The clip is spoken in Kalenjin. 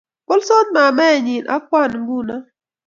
Bolsot mamaenyin ago Kwan nguno